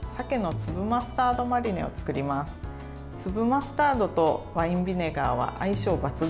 粒マスタードとワインビネガーは相性抜群。